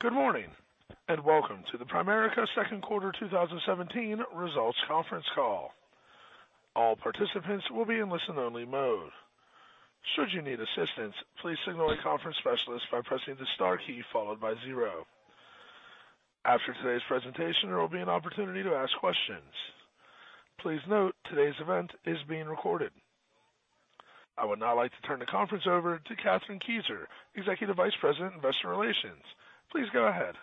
Good morning, welcome to the Primerica second quarter 2017 results conference call. All participants will be in listen only mode. Should you need assistance, please signal a conference specialist by pressing the star key followed by 0. After today's presentation, there will be an opportunity to ask questions. Please note today's event is being recorded. I would now like to turn the conference over to Kathryn Kieser, Executive Vice President, Investor Relations. Please go ahead.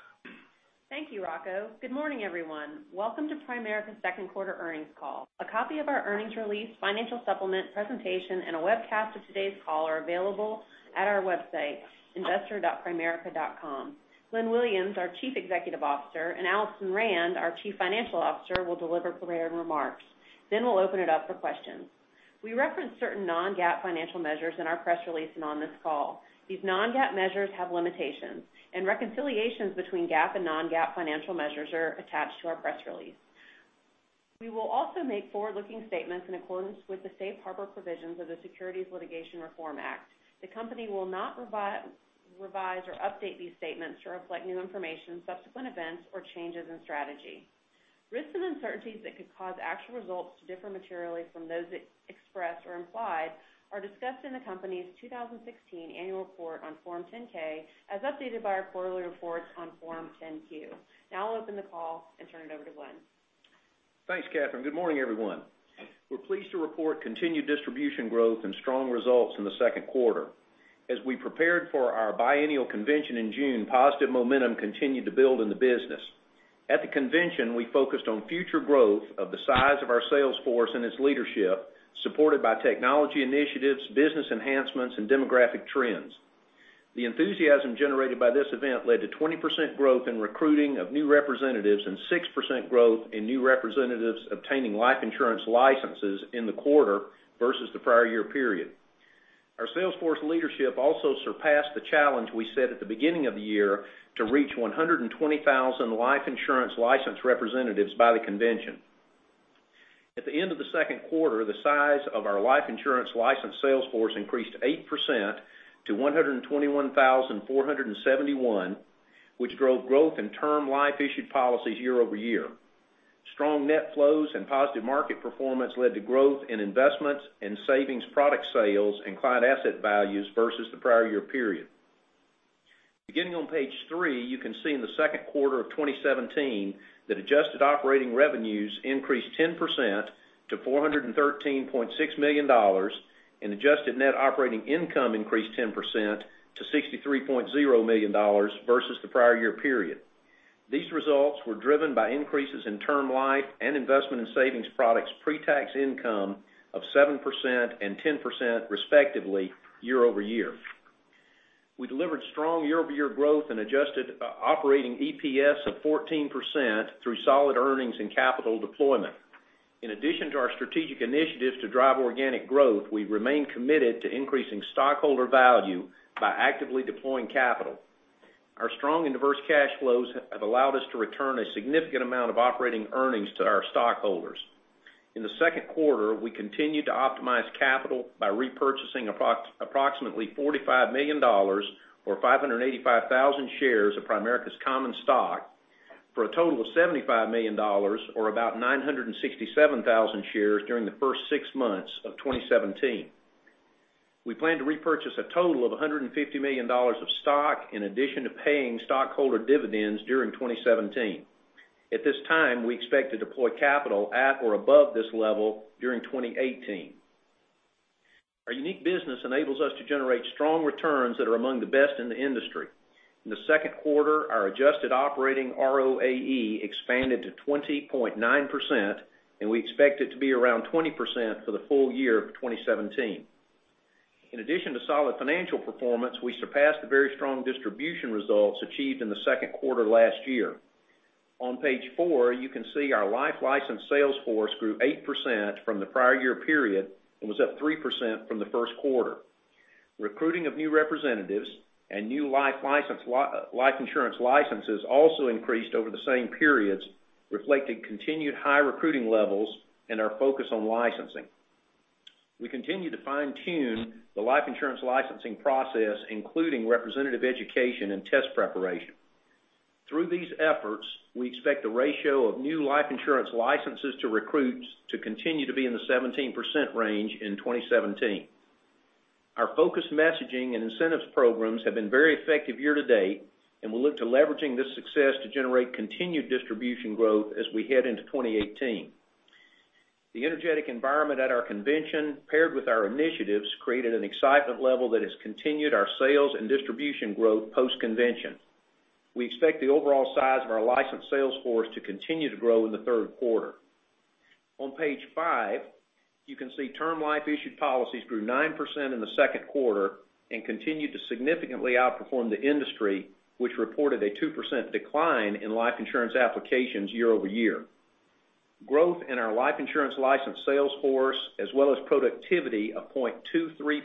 Thank you, Rocco. Good morning, everyone. Welcome to Primerica's second quarter earnings call. A copy of our earnings release, Financial Supplement presentation, and a webcast of today's call are available at our website, investor.primerica.com. Glenn Williams, our Chief Executive Officer, and Alison Rand, our Chief Financial Officer, will deliver prepared remarks. We'll open it up for questions. We reference certain non-GAAP financial measures in our press release and on this call. These non-GAAP measures have limitations, and reconciliations between GAAP and non-GAAP financial measures are attached to our press release. We will also make forward-looking statements in accordance with the safe harbor provisions of the Private Securities Litigation Reform Act. The company will not revise or update these statements to reflect new information, subsequent events, or changes in strategy. Risks and uncertainties that could cause actual results to differ materially from those expressed or implied are discussed in the company's 2016 annual report on Form 10-K, as updated by our quarterly reports on Form 10-Q. Now I'll open the call and turn it over to Glenn. Thanks, Kathryn. Good morning, everyone. We're pleased to report continued distribution growth and strong results in the second quarter. As we prepared for our biennial convention in June, positive momentum continued to build in the business. At the convention, we focused on future growth of the size of our sales force and its leadership, supported by technology initiatives, business enhancements, and demographic trends. The enthusiasm generated by this event led to 20% growth in recruiting of new representatives and 6% growth in new representatives obtaining life insurance licenses in the quarter versus the prior year period. Our sales force leadership also surpassed the challenge we set at the beginning of the year to reach 120,000 life insurance licensed representatives by the convention. At the end of the second quarter, the size of our life insurance licensed sales force increased 8% to 121,471, which drove growth in Term Life issued policies year-over-year. Strong net flows and positive market performance led to growth in investments in savings product sales and client asset values versus the prior year period. Beginning on page three, you can see in the second quarter of 2017 that adjusted operating revenues increased 10% to $413.6 million and adjusted net operating income increased 10% to $63.0 million versus the prior year period. These results were driven by increases in Term Life and investment in savings products pre-tax income of 7% and 10%, respectively, year-over-year. We delivered strong year-over-year growth and adjusted operating EPS of 14% through solid earnings and capital deployment. In addition to our strategic initiatives to drive organic growth, we remain committed to increasing stockholder value by actively deploying capital. Our strong and diverse cash flows have allowed us to return a significant amount of operating earnings to our stockholders. In the second quarter, we continued to optimize capital by repurchasing approximately $45 million or 585,000 shares of Primerica's common stock for a total of $75 million, or about 967,000 shares during the first six months of 2017. We plan to repurchase a total of $150 million of stock in addition to paying stockholder dividends during 2017. At this time, we expect to deploy capital at or above this level during 2018. Our unique business enables us to generate strong returns that are among the best in the industry. In the second quarter, our adjusted operating ROAE expanded to 20.9%, and we expect it to be around 20% for the full year of 2017. In addition to solid financial performance, we surpassed the very strong distribution results achieved in the second quarter last year. On page four, you can see our life license sales force grew 8% from the prior year period and was up 3% from the first quarter. Recruiting of new representatives and new life insurance licenses also increased over the same periods, reflecting continued high recruiting levels and our focus on licensing. We continue to fine-tune the life insurance licensing process, including representative education and test preparation. Through these efforts, we expect the ratio of new life insurance licenses to recruits to continue to be in the 17% range in 2017. Our focused messaging and incentives programs have been very effective year-to-date, we'll look to leveraging this success to generate continued distribution growth as we head into 2018. The energetic environment at our convention, paired with our initiatives, created an excitement level that has continued our sales and distribution growth post-convention. We expect the overall size of our licensed sales force to continue to grow in the third quarter. On page five, you can see Term Life issued policies grew 9% in the second quarter and continued to significantly outperform the industry, which reported a 2% decline in life insurance applications year-over-year. Growth in our life insurance licensed sales force as well as productivity of 0.23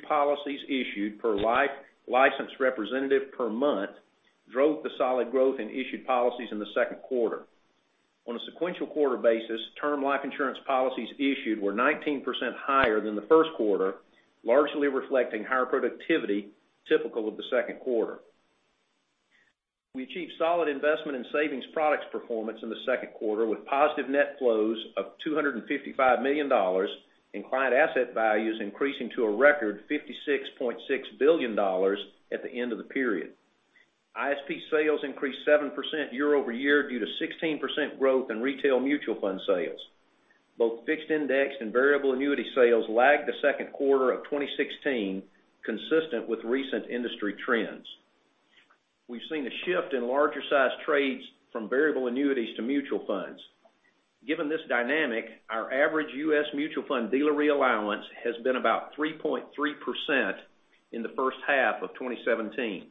policies issued per life licensed representative per month drove the solid growth in issued policies in the second quarter. On a sequential quarter basis, term life insurance policies issued were 19% higher than the first quarter, largely reflecting higher productivity typical of the second quarter. We achieved solid Investment and Savings Products performance in the second quarter with positive net flows of $255 million, and client asset values increasing to a record $56.6 billion at the end of the period. ISP sales increased 7% year-over-year due to 16% growth in retail mutual fund sales. Both fixed index and variable annuity sales lagged the second quarter of 2016, consistent with recent industry trends. We've seen a shift in larger-sized trades from variable annuities to mutual funds. Given this dynamic, our average U.S. mutual fund deal re-allowance has been about 3.3% in the first half of 2017.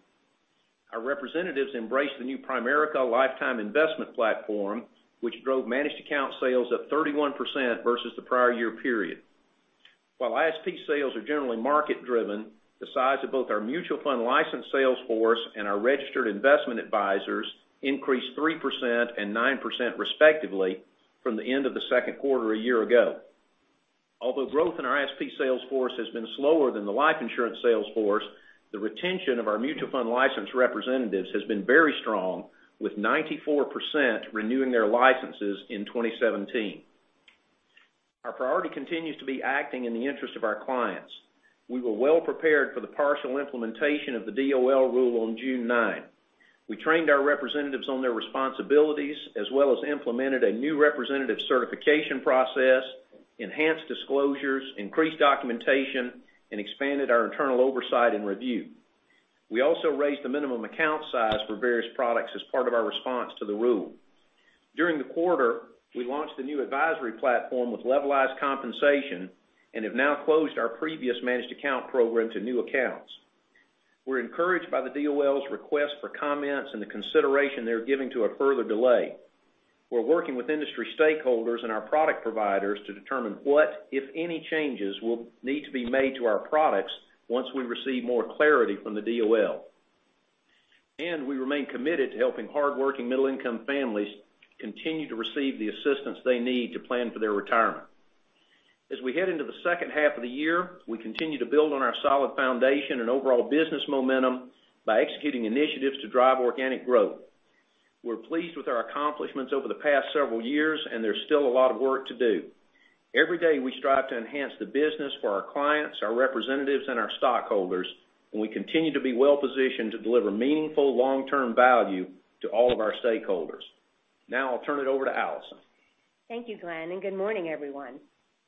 Our representatives embraced the new Primerica Lifetime Investment Platform, which drove managed account sales up 31% versus the prior year period. While ISP sales are generally market-driven, the size of both our mutual fund licensed sales force and our registered investment advisors increased 3% and 9% respectively from the end of the second quarter a year ago. Although growth in our ISP sales force has been slower than the life insurance sales force, the retention of our mutual fund licensed representatives has been very strong, with 94% renewing their licenses in 2017. Our priority continues to be acting in the interest of our clients. We were well prepared for the partial implementation of the DOL rule on June 9. We trained our representatives on their responsibilities, as well as implemented a new representative certification process, enhanced disclosures, increased documentation, and expanded our internal oversight and review. We also raised the minimum account size for various products as part of our response to the rule. During the quarter, we launched a new advisory platform with levelized compensation and have now closed our previous managed account program to new accounts. We're encouraged by the DOL's request for comments and the consideration they're giving to a further delay. We're working with industry stakeholders and our product providers to determine what, if any, changes will need to be made to our products once we receive more clarity from the DOL. We remain committed to helping hardworking middle-income families continue to receive the assistance they need to plan for their retirement. As we head into the second half of the year, we continue to build on our solid foundation and overall business momentum by executing initiatives to drive organic growth. We're pleased with our accomplishments over the past several years, and there's still a lot of work to do. Every day, we strive to enhance the business for our clients, our representatives, and our stockholders, and we continue to be well-positioned to deliver meaningful long-term value to all of our stakeholders. Now, I'll turn it over to Alison. Thank you, Glenn, and good morning, everyone.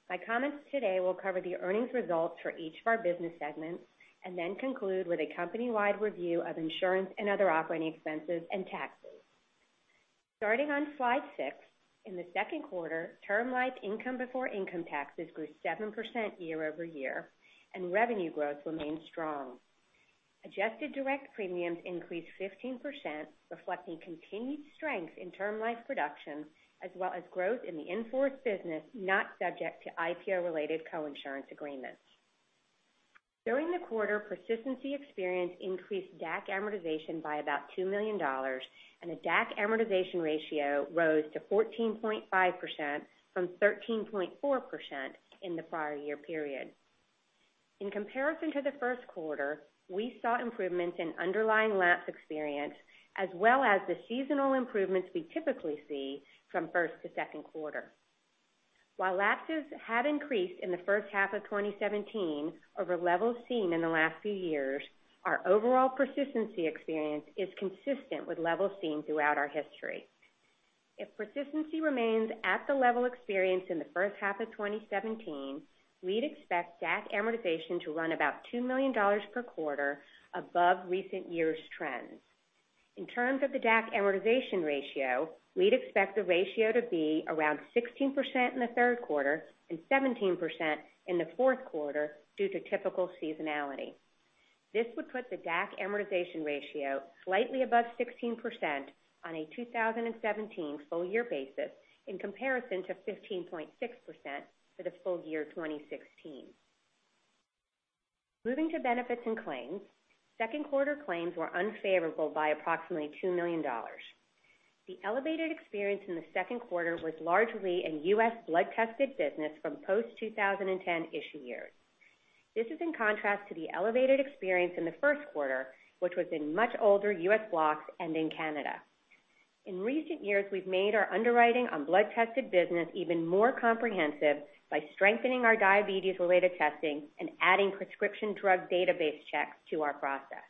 My comments today will cover the earnings results for each of our business segments and then conclude with a company-wide review of insurance and other operating expenses and taxes. Starting on slide 6, in the second quarter, term life income before income taxes grew 7% year-over-year, and revenue growth remained strong. Adjusted direct premiums increased 15%, reflecting continued strength in term life production, as well as growth in the in-force business not subject to IPO-related coinsurance agreements. During the quarter, persistency experience increased DAC amortization by about $2 million, and the DAC amortization ratio rose to 14.5% from 13.4% in the prior year period. In comparison to the first quarter, we saw improvements in underlying lapse experience, as well as the seasonal improvements we typically see from first to second quarter. While lapses have increased in the first half of 2017 over levels seen in the last few years, our overall persistency experience is consistent with levels seen throughout our history. If persistency remains at the level experienced in the first half of 2017, we'd expect DAC amortization to run about $2 million per quarter above recent years' trends. In terms of the DAC amortization ratio, we'd expect the ratio to be around 16% in the third quarter and 17% in the fourth quarter due to typical seasonality. This would put the DAC amortization ratio slightly above 16% on a 2017 full year basis in comparison to 15.6% for the full year 2016. Moving to benefits and claims, second quarter claims were unfavorable by approximately $2 million. The elevated experience in the second quarter was largely in U.S. blood-tested business from post-2010 issue years. This is in contrast to the elevated experience in the first quarter, which was in much older U.S. blocks and in Canada. In recent years, we've made our underwriting on blood-tested business even more comprehensive by strengthening our diabetes-related testing and adding prescription drug database checks to our process.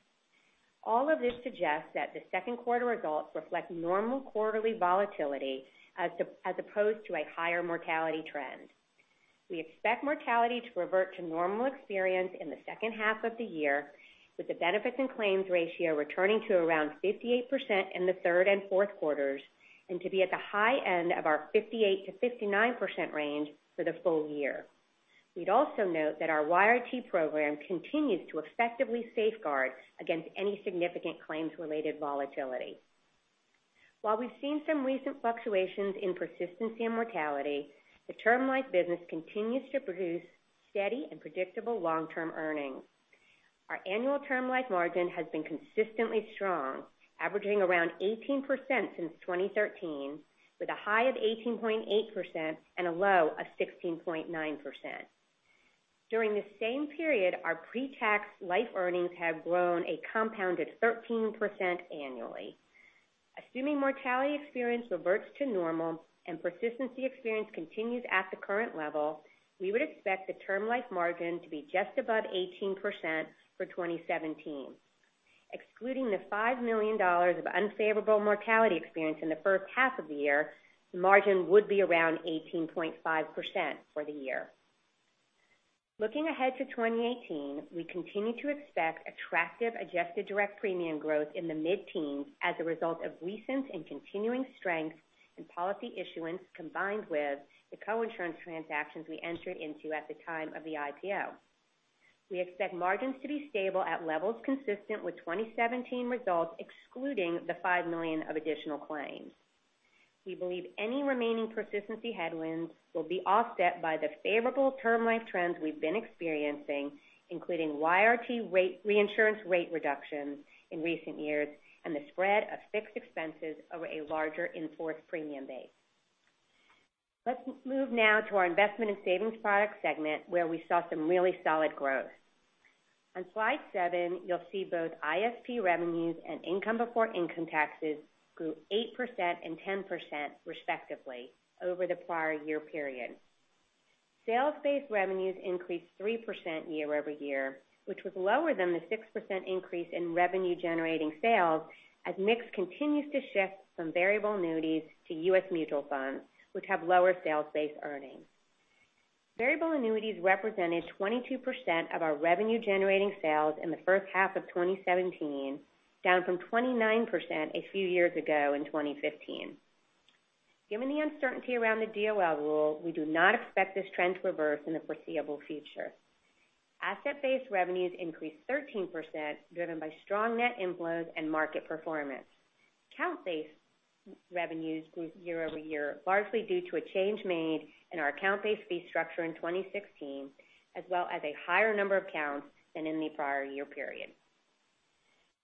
All of this suggests that the second quarter results reflect normal quarterly volatility as opposed to a higher mortality trend. We expect mortality to revert to normal experience in the second half of the year, with the benefits and claims ratio returning to around 58% in the third and fourth quarters, and to be at the high end of our 58%-59% range for the full year. We'd also note that our YRT program continues to effectively safeguard against any significant claims-related volatility. While we've seen some recent fluctuations in persistency and mortality, the term life business continues to produce steady and predictable long-term earnings. Our annual term life margin has been consistently strong, averaging around 18% since 2013, with a high of 18.8% and a low of 16.9%. During the same period, our pre-tax life earnings have grown a compounded 13% annually. Assuming mortality experience reverts to normal and persistency experience continues at the current level, we would expect the term life margin to be just above 18% for 2017. Excluding the $5 million of unfavorable mortality experience in the first half of the year, the margin would be around 18.5% for the year. Looking ahead to 2018, we continue to expect attractive adjusted direct premium growth in the mid-teens as a result of recent and continuing strength in policy issuance, combined with the co-insurance transactions we entered into at the time of the IPO. We expect margins to be stable at levels consistent with 2017 results, excluding the $5 million of additional claims. We believe any remaining persistency headwinds will be offset by the favorable Term Life trends we've been experiencing, including YRT reinsurance rate reductions in recent years and the spread of fixed expenses over a larger in-force premium base. Let's move now to our Investment and Savings Products segment, where we saw some really solid growth. On slide seven, you'll see both ISP revenues and income before income taxes grew 8% and 10% respectively over the prior year period. Sales-based revenues increased 3% year-over-year, which was lower than the 6% increase in revenue-generating sales, as mix continues to shift from Variable Annuities to U.S. Mutual Funds, which have lower sales-based earnings. Variable Annuities represented 22% of our revenue-generating sales in the first half of 2017, down from 29% a few years ago in 2015. Given the uncertainty around the DOL rule, we do not expect this trend to reverse in the foreseeable future. Asset-based revenues increased 13%, driven by strong net inflows and market performance. Account-based revenues grew year-over-year, largely due to a change made in our account-based fee structure in 2016, as well as a higher number of accounts than in the prior year period.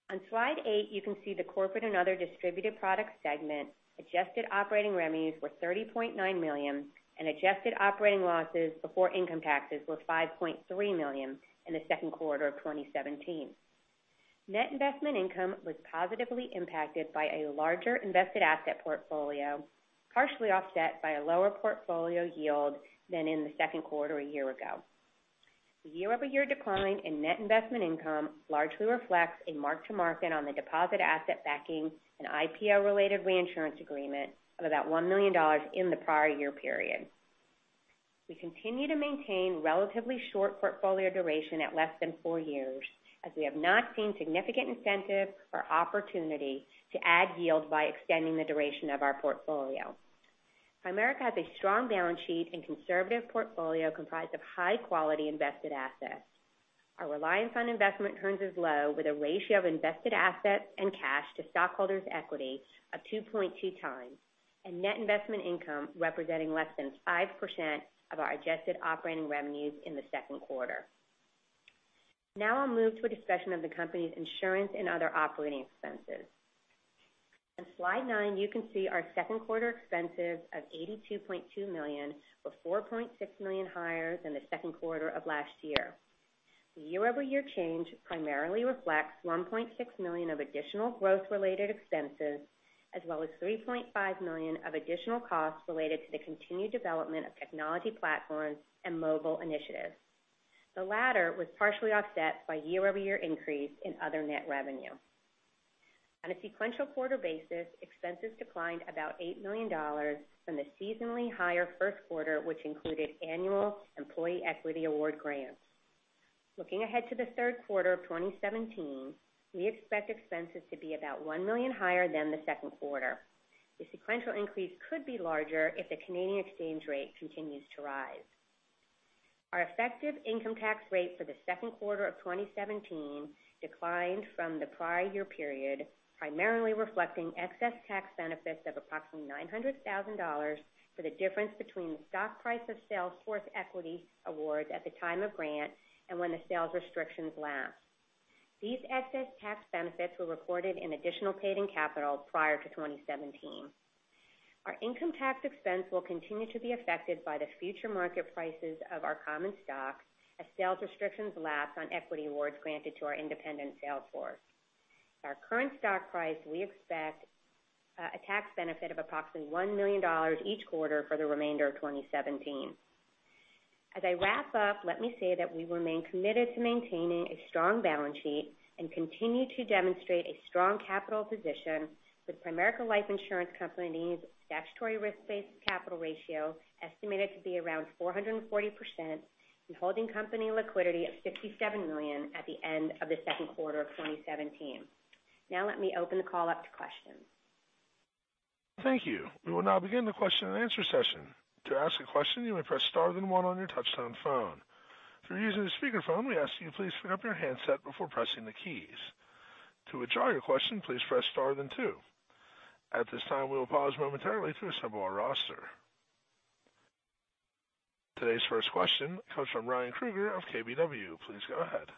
On slide eight, you can see the corporate and other distributed products segment adjusted operating revenues were $30.9 million and adjusted operating losses before income taxes were $5.3 million in the second quarter of 2017. Net investment income was positively impacted by a larger invested asset portfolio, partially offset by a lower portfolio yield than in the second quarter a year ago. The year-over-year decline in net investment income largely reflects a mark-to-market on the deposit asset backing an IPO-related reinsurance agreement of about $1 million in the prior year period. We continue to maintain relatively short portfolio duration at less than four years, as we have not seen significant incentive or opportunity to add yield by extending the duration of our portfolio. Primerica has a strong balance sheet and conservative portfolio comprised of high-quality invested assets. Our reliance on investment returns is low, with a ratio of invested assets and cash to stockholders' equity of 2.2 times and net investment income representing less than 5% of our adjusted operating revenues in the second quarter. I'll move to a discussion of the company's insurance and other operating expenses. On slide nine, you can see our second quarter expenses of $82.2 million were $4.6 million higher than the second quarter of last year. The year-over-year change primarily reflects $1.6 million of additional growth-related expenses, as well as $3.5 million of additional costs related to the continued development of technology platforms and mobile initiatives. The latter was partially offset by year-over-year increase in other net revenue. On a sequential quarter basis, expenses declined about $8 million from the seasonally higher first quarter, which included annual employee equity award grants. Looking ahead to the third quarter of 2017, we expect expenses to be about $1 million higher than the second quarter. The sequential increase could be larger if the Canadian exchange rate continues to rise. Our effective income tax rate for the second quarter of 2017 declined from the prior year period, primarily reflecting excess tax benefits of approximately $900,000 for the difference between the stock price of sales force equity awards at the time of grant and when the sales restrictions lapsed. These excess tax benefits were recorded in additional paid-in capital prior to 2017. Our income tax expense will continue to be affected by the future market prices of our common stock as sales restrictions lapse on equity awards granted to our independent sales force. At our current stock price, we expect a tax benefit of approximately $1 million each quarter for the remainder of 2017. As I wrap up, let me say that we remain committed to maintaining a strong balance sheet and continue to demonstrate a strong capital position with Primerica Life Insurance Company's statutory risk-based capital ratio estimated to be around 440% and holding company liquidity of $57 million at the end of the second quarter of 2017. Now let me open the call up to questions. Thank you. We will now begin the question and answer session. To ask a question, you may press star then one on your touchtone phone. If you're using a speakerphone, we ask you please pick up your handset before pressing the keys. To withdraw your question, please press star then two. At this time, we will pause momentarily to assemble our roster. Today's first question comes from Ryan Krueger of KBW. Please go ahead.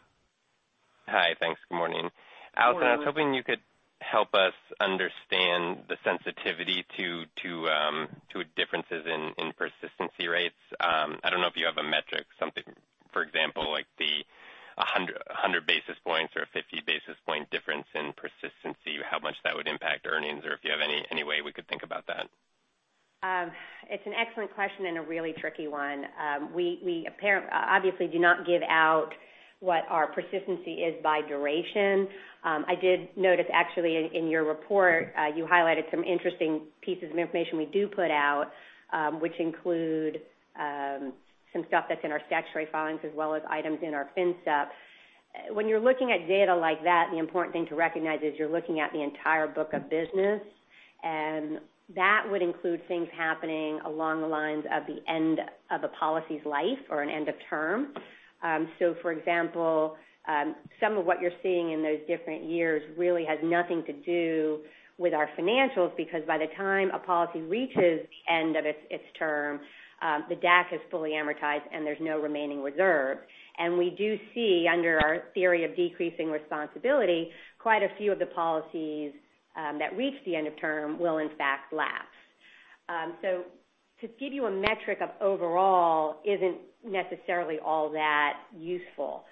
Hi. Thanks. Good morning. Good morning. Alison, I was hoping you could help us understand the sensitivity to differences in persistency rates. I don't know if you have a metric, something, for example, like the 100 basis points or 50 basis point difference in persistency, how much that would impact earnings or if you have any way we could think about that? It's an excellent question and a really tricky one. We obviously do not give out what our persistency is by duration. I did notice actually in your report, you highlighted some interesting pieces of information we do put out, which include some stuff that's in our statutory filings as well as items in our FinSup. When you're looking at data like that, the important thing to recognize is you're looking at the entire book of business. That would include things happening along the lines of the end of a policy's life or an end of term. For example, some of what you're seeing in those different years really has nothing to do with our financials because by the time a policy reaches the end of its term, the DAC is fully amortized and there's no remaining reserve. We do see, under our theory of decreasing responsibility, quite a few of the policies that reach the end of term will in fact lapse. To give you a metric of overall isn't necessarily all that useful.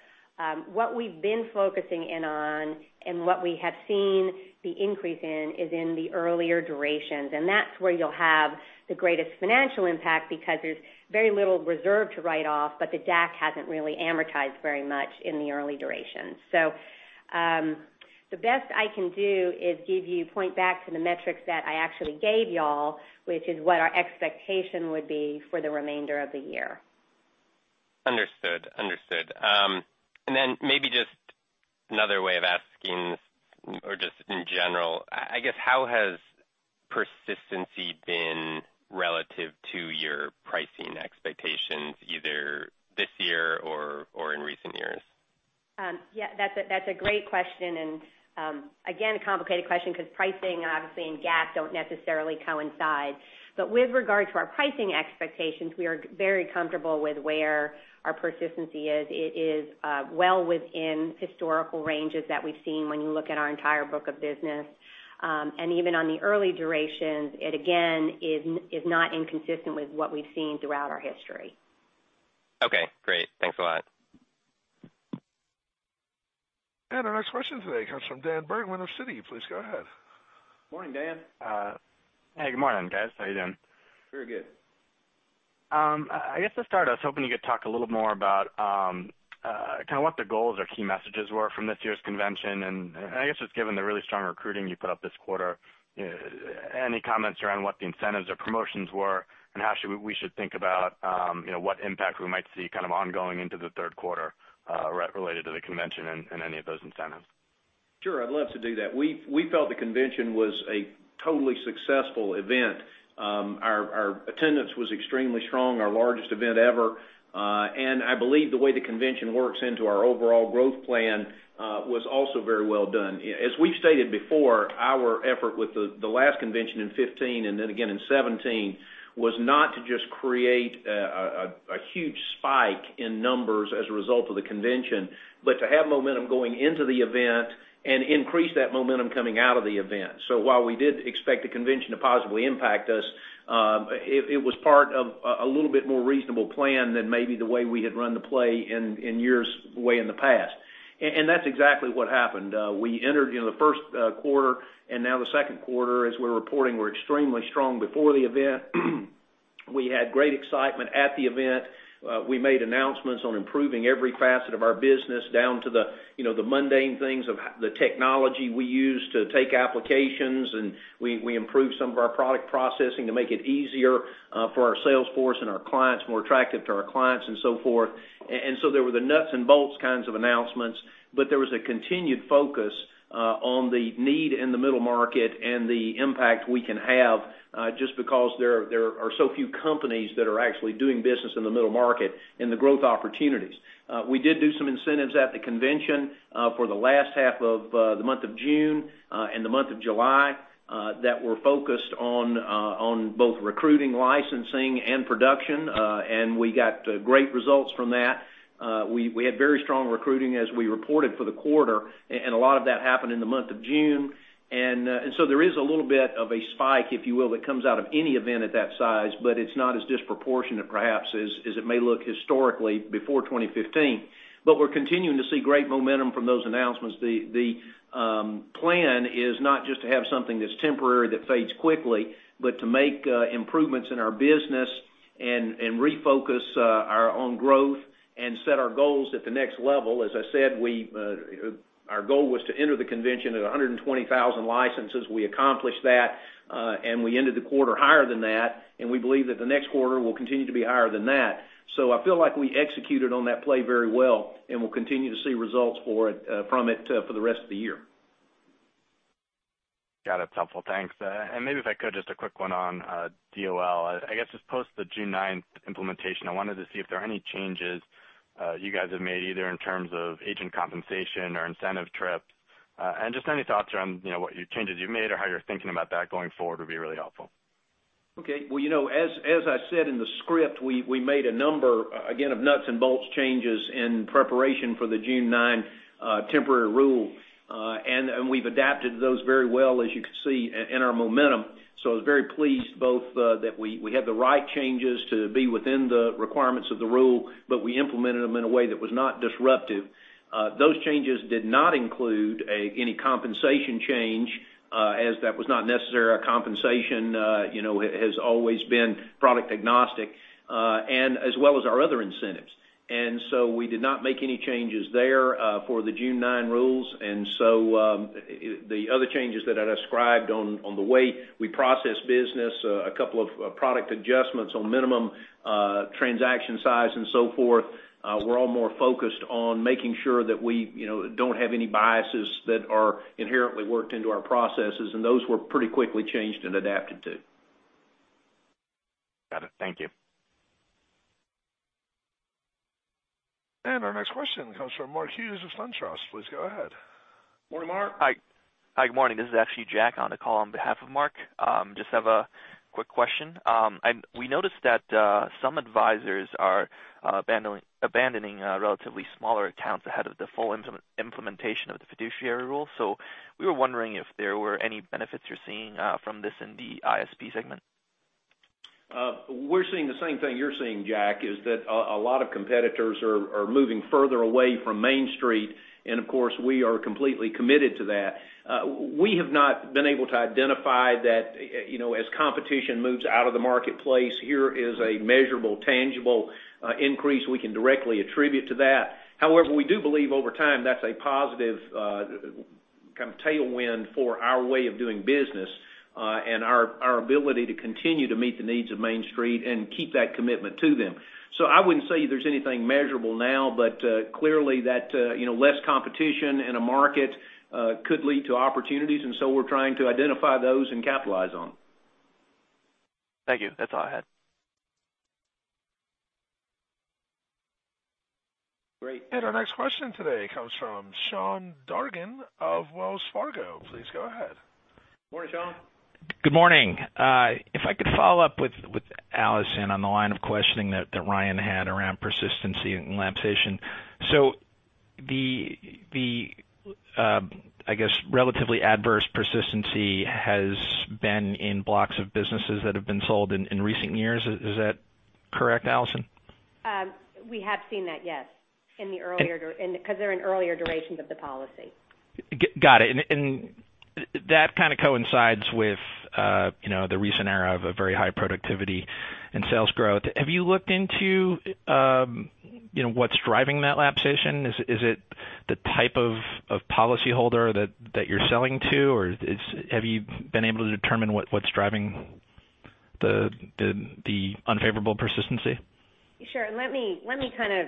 What we've been focusing in on and what we have seen the increase in is in the earlier durations, and that's where you'll have the greatest financial impact because there's very little reserve to write off, but the DAC hasn't really amortized very much in the early duration. The best I can do is point back to the metrics that I actually gave y'all, which is what our expectation would be for the remainder of the year. Understood. Then maybe just another way of asking this, or just in general, I guess, how has persistency been relative to your pricing expectations, either this year or in recent years? Yeah, that's a great question, again, a complicated question because pricing obviously and GAAP don't necessarily coincide. With regard to our pricing expectations, we are very comfortable with where our persistency is. It is well within historical ranges that we've seen when you look at our entire book of business. Even on the early durations, it again is not inconsistent with what we've seen throughout our history. Okay, great. Thanks a lot. Our next question today comes from Daniel Bergman, Citigroup. Please go ahead. Morning, Dan. Hey, good morning, guys. How you doing? Very good. I guess to start, I was hoping you could talk a little more about kind of what the goals or key messages were from this year's convention, I guess just given the really strong recruiting you put up this quarter, any comments around what the incentives or promotions were and how we should think about what impact we might see kind of ongoing into the third quarter related to the convention and any of those incentives. Sure, I'd love to do that. We felt the convention was a totally successful event. Our attendance was extremely strong, our largest event ever. I believe the way the convention works into our overall growth plan was also very well done. As we've stated before, our effort with the last convention in 2015 and then again in 2017 was not to just create a huge spike in numbers as a result of the convention, but to have momentum going into the event and increase that momentum coming out of the event. While we did expect the convention to possibly impact us, it was part of a little bit more reasonable plan than maybe the way we had run the play in years way in the past. That's exactly what happened. We entered the first quarter and now the second quarter as we're reporting, we're extremely strong before the event. We had great excitement at the event. We made announcements on improving every facet of our business down to the mundane things of the technology we use to take applications, and we improved some of our product processing to make it easier for our sales force and our clients, more attractive to our clients and so forth. There were the nuts and bolts kinds of announcements, but there was a continued focus on the need in the middle market and the impact we can have, just because there are so few companies that are actually doing business in the middle market and the growth opportunities. We did do some incentives at the convention for the last half of the month of June and the month of July that were focused on both recruiting, licensing, and production. We got great results from that. We had very strong recruiting as we reported for the quarter, and a lot of that happened in the month of June. There is a little bit of a spike, if you will, that comes out of any event at that size, but it's not as disproportionate perhaps as it may look historically before 2015. We're continuing to see great momentum from those announcements. The plan is not just to have something that's temporary that fades quickly, but to make improvements in our business and refocus our own growth and set our goals at the next level. As I said, our goal was to enter the convention at 120,000 licenses. We accomplished that, and we ended the quarter higher than that, and we believe that the next quarter will continue to be higher than that. I feel like we executed on that play very well, and we'll continue to see results from it for the rest of the year. Got it. It's helpful. Thanks. Maybe if I could, just a quick one on DOL. I guess, just post the June 9th implementation, I wanted to see if there are any changes you guys have made either in terms of agent compensation or incentive trips. Just any thoughts around what changes you've made or how you're thinking about that going forward would be really helpful. Okay. Well, as I said in the script, we made a number, again, of nuts and bolts changes in preparation for the June 9 temporary rule. We've adapted those very well, as you can see in our momentum. I was very pleased both that we had the right changes to be within the requirements of the rule, but we implemented them in a way that was not disruptive. Those changes did not include any compensation change, as that was not necessary. Our compensation has always been product agnostic, as well as our other incentives. We did not make any changes there for the June 9 rules. The other changes that I described on the way we process business, a couple of product adjustments on minimum transaction size and so forth. We're all more focused on making sure that we don't have any biases that are inherently worked into our processes. Those were pretty quickly changed and adapted to. Got it. Thank you. Our next question comes from Mark Hughes of SunTrust. Please go ahead. Morning, Mark. Hi, good morning. This is actually Jack on the call on behalf of Mark. Just have a quick question. We noticed that some advisors are abandoning relatively smaller accounts ahead of the full implementation of the fiduciary rule. We were wondering if there were any benefits you're seeing from this in the ISP segment. We're seeing the same thing you're seeing, Jack, is that a lot of competitors are moving further away from Main Street, and of course, we are completely committed to that. We have not been able to identify that as competition moves out of the marketplace, here is a measurable, tangible increase we can directly attribute to that. However, we do believe over time, that's a positive kind of tailwind for our way of doing business, and our ability to continue to meet the needs of Main Street and keep that commitment to them. I wouldn't say there's anything measurable now, but clearly that less competition in a market could lead to opportunities, and so we're trying to identify those and capitalize on them. Thank you. That's all I had. Great. Our next question today comes from Sean Dargan of Wells Fargo. Please go ahead. Morning, Sean. Good morning. If I could follow up with Alison on the line of questioning that Ryan had around persistency and lapsation. The, I guess, relatively adverse persistency has been in blocks of businesses that have been sold in recent years. Is that correct, Alison? We have seen that, yes, because they're in earlier durations of the policy. That kind of coincides with the recent era of a very high productivity and sales growth. Have you looked into what's driving that lapsation? Is it the type of policyholder that you're selling to, or have you been able to determine what's driving the unfavorable persistency? Sure. Let me kind of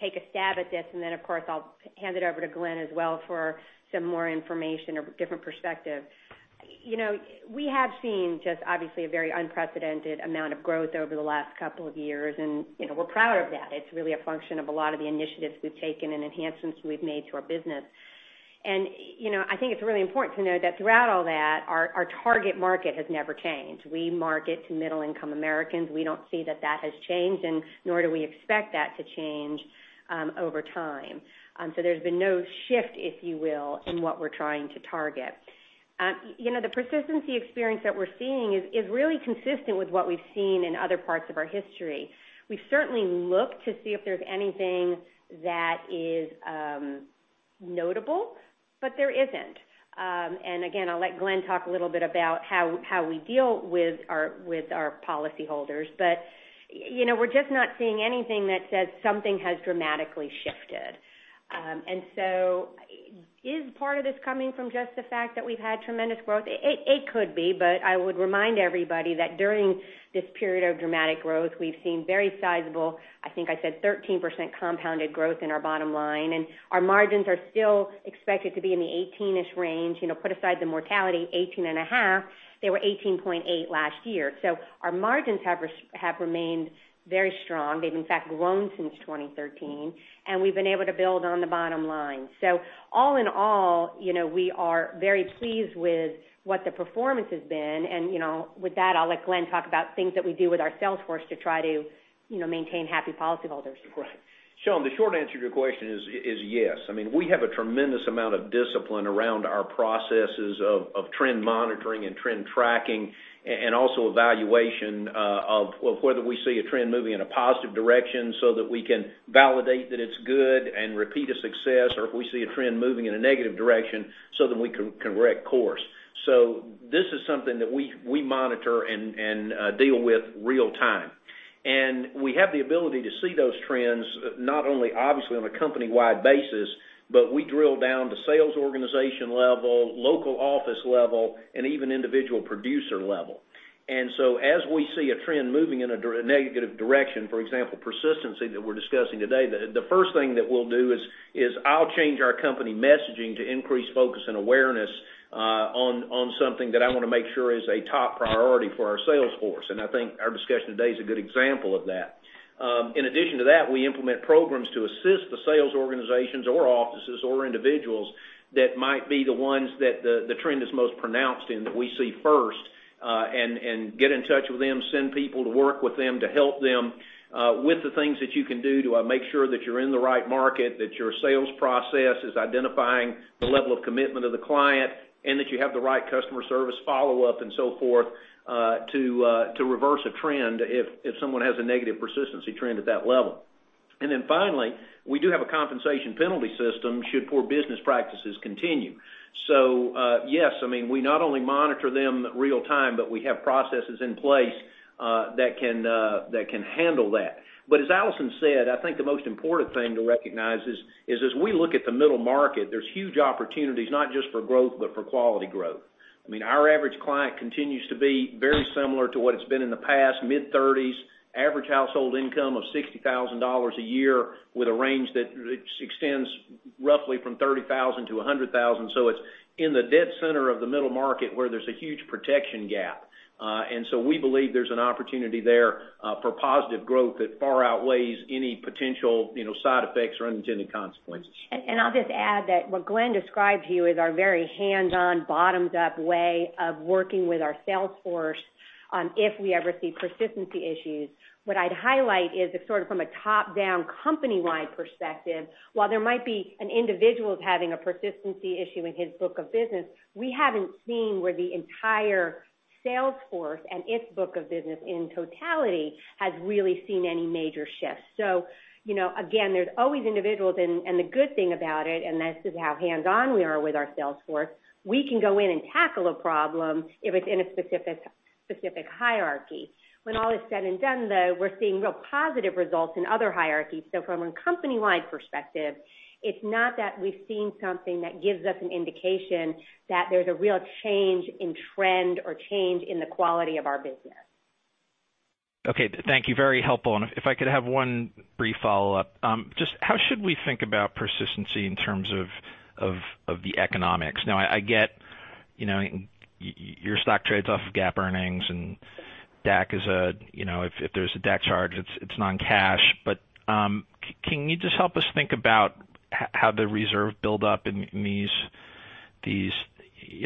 take a stab at this, and then, of course, I'll hand it over to Glenn as well for some more information or different perspective. We have seen just obviously a very unprecedented amount of growth over the last couple of years, and we're proud of that. It's really a function of a lot of the initiatives we've taken and enhancements we've made to our business. I think it's really important to know that throughout all that, our target market has never changed. We market to middle-income Americans. We don't see that that has changed, and nor do we expect that to change over time. There's been no shift, if you will, in what we're trying to target. The persistency experience that we're seeing is really consistent with what we've seen in other parts of our history. We certainly look to see if there's anything that is notable, but there isn't. Again, I'll let Glenn talk a little bit about how we deal with our policyholders. We're just not seeing anything that says something has dramatically shifted. Is part of this coming from just the fact that we've had tremendous growth? It could be, but I would remind everybody that during this period of dramatic growth, we've seen very sizable, I think I said 13% compounded growth in our bottom line, and our margins are still expected to be in the 18-ish range. Put aside the mortality, 18.5. They were 18.8 last year. Our margins have remained very strong. They've in fact grown since 2013, and we've been able to build on the bottom line. All in all, we are very pleased with what the performance has been. With that, I'll let Glenn talk about things that we do with our sales force to try to maintain happy policy holders. Of course. Sean, the short answer to your question is yes. I mean, we have a tremendous amount of discipline around our processes of trend monitoring and trend tracking, and also evaluation of whether we see a trend moving in a positive direction so that we can validate that it's good and repeat a success, or if we see a trend moving in a negative direction so that we can correct course. This is something that we monitor and deal with real time. We have the ability to see those trends not only obviously on a company-wide basis, but we drill down to sales organization level, local office level, and even individual producer level. As we see a trend moving in a negative direction, for example, persistency that we're discussing today, the first thing that we'll do is I'll change our company messaging to increase focus and awareness on something that I want to make sure is a top priority for our sales force. I think our discussion today is a good example of that. In addition to that, we implement programs to assist the sales organizations or offices or individuals that might be the ones that the trend is most pronounced in, that we see first, and get in touch with them, send people to work with them to help them with the things that you can do to make sure that you're in the right market, that your sales process is identifying the level of commitment of the client, and that you have the right customer service follow-up and so forth, to reverse a trend if someone has a negative persistency trend at that level. Finally, we do have a compensation penalty system should poor business practices continue. Yes, we not only monitor them real time, but we have processes in place that can handle that. As Alison said, I think the most important thing to recognize is as we look at the middle market, there's huge opportunities not just for growth but for quality growth. Our average client continues to be very similar to what it's been in the past, mid-30s, average household income of $60,000 a year with a range that extends roughly from 30,000 to 100,000. It's in the dead center of the middle market where there's a huge protection gap. We believe there's an opportunity there for positive growth that far outweighs any potential side effects or unintended consequences. I'll just add that what Glenn described to you is our very hands-on, bottoms-up way of working with our sales force if we ever see persistency issues. What I'd highlight is if sort of from a top-down, company-wide perspective, while there might be an individual having a persistency issue in his book of business, we haven't seen where the entire sales force and its book of business in totality has really seen any major shifts. Again, there's always individuals, and the good thing about it, and this is how hands-on we are with our sales force, we can go in and tackle a problem if it's in a specific hierarchy. When all is said and done, though, we're seeing real positive results in other hierarchies. From a company-wide perspective, it's not that we've seen something that gives us an indication that there's a real change in trend or change in the quality of our business. Okay. Thank you. Very helpful. If I could have one brief follow-up. Just how should we think about persistency in terms of the economics? Now, I get your stock trades off of GAAP earnings, and if there's a DAC charge, it's non-cash. Can you just help us think about how the reserve build-up in these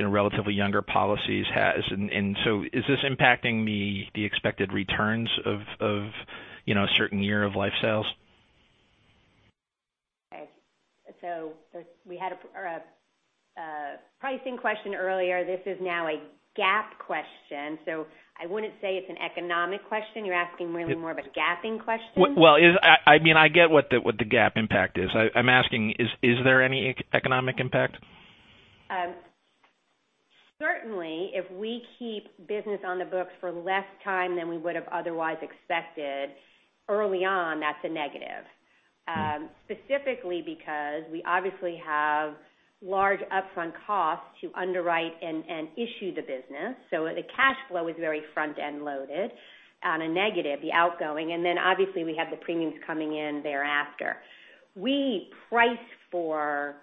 relatively younger policies is this impacting the expected returns of a certain year of life sales? We had a pricing question earlier. This is now a GAAP question. I wouldn't say it's an economic question. You're asking really more of a GAAPing question. I get what the GAAP impact is. I'm asking, is there any economic impact? Certainly, if we keep business on the books for less time than we would have otherwise expected early on, that's a negative. Specifically because we obviously have large upfront costs to underwrite and issue the business. The cash flow is very front-end loaded on a negative, the outgoing, and then obviously we have the premiums coming in thereafter. We price for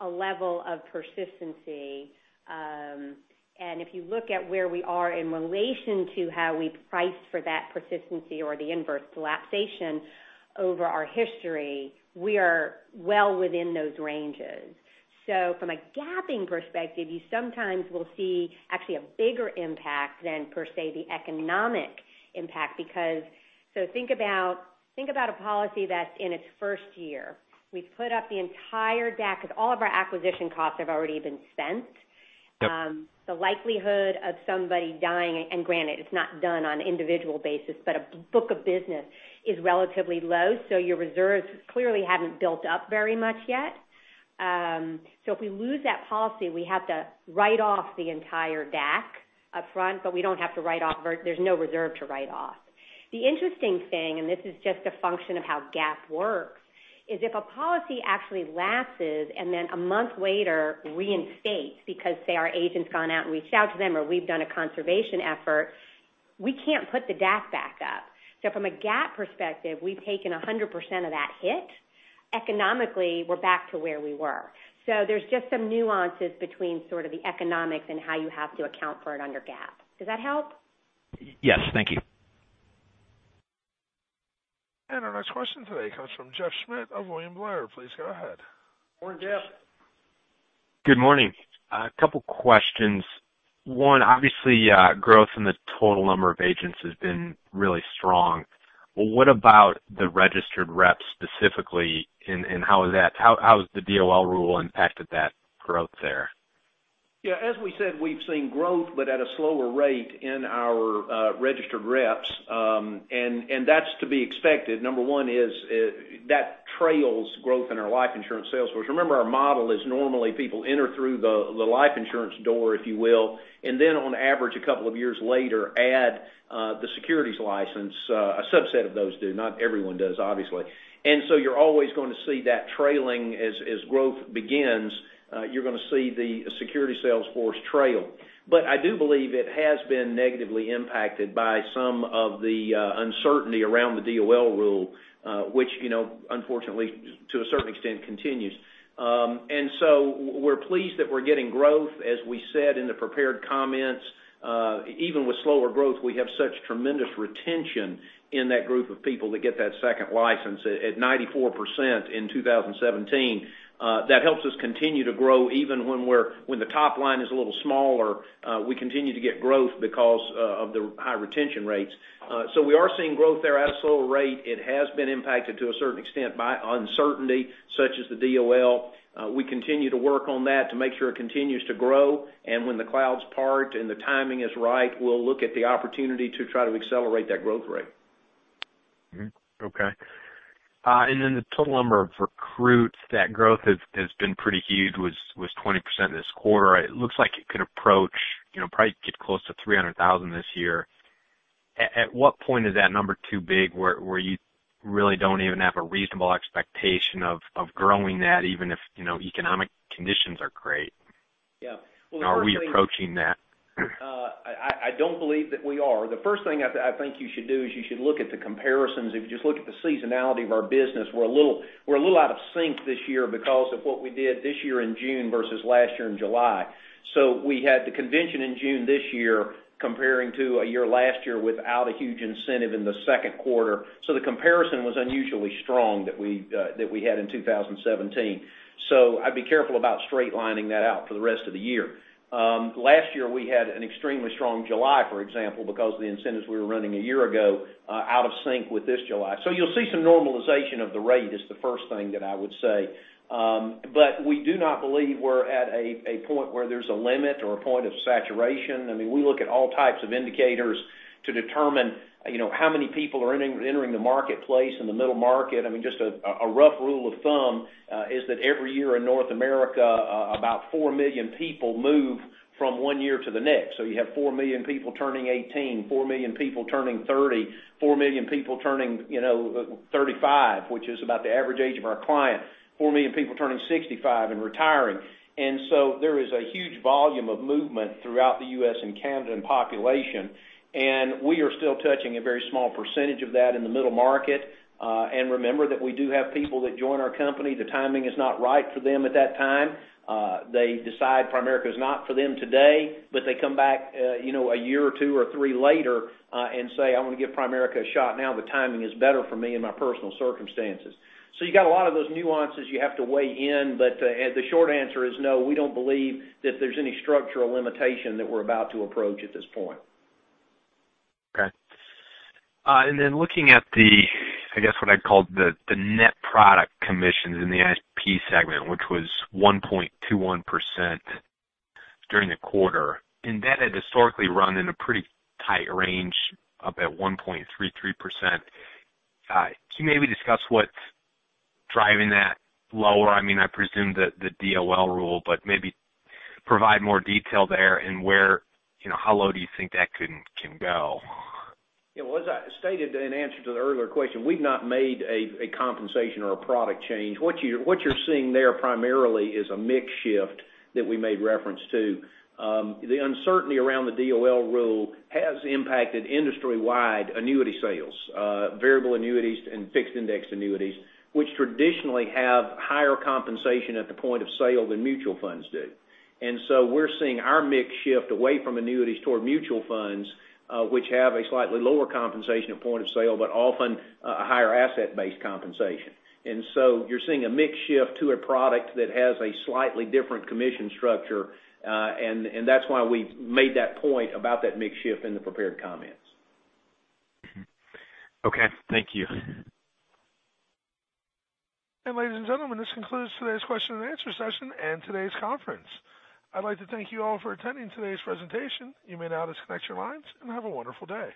a level of persistency, and if you look at where we are in relation to how we priced for that persistency or the inverse lapsation over our history, we are well within those ranges. From a GAAPing perspective, you sometimes will see actually a bigger impact than per se the economic impact because, think about a policy that's in its first year. We've put up the entire DAC because all of our acquisition costs have already been spent. Yep. The likelihood of somebody dying, and granted, it's not done on individual basis, but a book of business is relatively low, your reserves clearly haven't built up very much yet. If we lose that policy, we have to write off the entire DAC up front, but we don't have to write off. There's no reserve to write off. The interesting thing, and this is just a function of how GAAP works, is if a policy actually lapses and then a month later reinstates because, say, our agent's gone out and reached out to them or we've done a conservation effort, we can't put the DAC back up. From a GAAP perspective, we've taken 100% of that hit. Economically, we're back to where we were. There's just some nuances between sort of the economics and how you have to account for it under GAAP. Does that help? Yes. Thank you. Our next question today comes from Jeff Schmitt of William Blair. Please go ahead. Morning, Jeff. Good morning. A couple questions. One, obviously, growth in the total number of agents has been really strong. What about the registered reps specifically, and how has the DOL rule impacted that growth there? Yeah, as we said, we've seen growth, but at a slower rate in our registered reps, and that's to be expected. Number one is that trails growth in our life insurance sales force. Remember, our model is normally people enter through the life insurance door, if you will, and then on average, a couple of years later, add the securities license. A subset of those do, not everyone does, obviously. You're always going to see that trailing as growth begins. You're going to see the security sales force trail. I do believe it has been negatively impacted by some of the uncertainty around the DOL rule, which unfortunately, to a certain extent, continues. We're pleased that we're getting growth, as we said in the prepared comments. Even with slower growth, we have such tremendous retention in that group of people that get that second license at 94% in 2017. That helps us continue to grow even when the top line is a little smaller, we continue to get growth because of the high retention rates. We are seeing growth there at a slower rate. It has been impacted to a certain extent by uncertainty such as the DOL. We continue to work on that to make sure it continues to grow. When the clouds part and the timing is right, we'll look at the opportunity to try to accelerate that growth rate. Okay. The total number of recruits, that growth has been pretty huge, was 20% this quarter. It looks like it could approach, probably get close to 300,000 this year. At what point is that number too big where you really don't even have a reasonable expectation of growing that even if economic conditions are great? Yeah. Well, the first thing- Are we approaching that? I don't believe that we are. The first thing I think you should do is you should look at the comparisons. If you just look at the seasonality of our business, we're a little out of sync this year because of what we did this year in June versus last year in July. We had the convention in June this year comparing to a year last year without a huge incentive in the second quarter. The comparison was unusually strong that we had in 2017. I'd be careful about straight-lining that out for the rest of the year. Last year, we had an extremely strong July, for example, because of the incentives we were running a year ago out of sync with this July. You'll see some normalization of the rate is the first thing that I would say. We do not believe we're at a point where there's a limit or a point of saturation. We look at all types of indicators to determine how many people are entering the marketplace in the middle market. Just a rough rule of thumb is that every year in North America, about 4 million people move from 1 year to the next. You have 4 million people turning 18, 4 million people turning 30, 4 million people turning 35, which is about the average age of our client, 4 million people turning 65 and retiring. There is a huge volume of movement throughout the U.S. and Canada in population, and we are still touching a very small percentage of that in the middle market. Remember that we do have people that join our company, the timing is not right for them at that time. They decide Primerica is not for them today, but they come back a year or two or three later and say, "I want to give Primerica a shot now. The timing is better for me and my personal circumstances." You got a lot of those nuances you have to weigh in, but the short answer is no, we don't believe that there's any structural limitation that we're about to approach at this point. Okay. Looking at the, I guess what I'd call the net product commissions in the ISP segment, which was 1.21% during the quarter. That had historically run in a pretty tight range up at 1.33%. Can you maybe discuss what's driving that lower? I presume the DOL rule. Maybe provide more detail there and how low do you think that can go? Yeah. Well, as I stated in answer to the earlier question, we've not made a compensation or a product change. What you're seeing there primarily is a mix shift that we made reference to. The uncertainty around the DOL rule has impacted industry-wide annuity sales, Variable Annuities and fixed indexed annuities, which traditionally have higher compensation at the point of sale than Mutual Funds do. We're seeing our mix shift away from annuities toward Mutual Funds, which have a slightly lower compensation at point of sale, but often a higher asset-based compensation. You're seeing a mix shift to a product that has a slightly different commission structure. That's why we made that point about that mix shift in the prepared comments. Okay. Thank you. Ladies and gentlemen, this concludes today's question and answer session and today's conference. I'd like to thank you all for attending today's presentation. You may now disconnect your lines. Have a wonderful day.